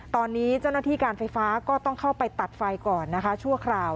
ตอนนี้เจ้าหน้าที่การไฟฟ้าก็ต้องเข้าไปตัดไฟก่อนนะคะชั่วคราว